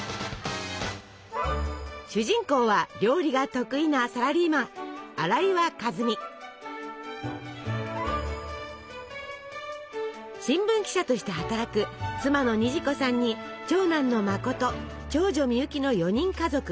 主人公は料理が得意なサラリーマン新聞記者として働く妻の虹子さんに長男のまこと長女みゆきの４人家族。